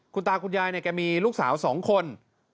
คุณตาคุณยายมีลูกสาว๒คน